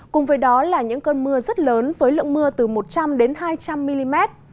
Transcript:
cùng với đó là những cơn mưa rất lớn với lượng mưa từ một trăm linh hai trăm linh mm